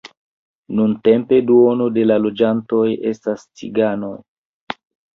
Nuntempe duono de la loĝantoj estas ciganoj.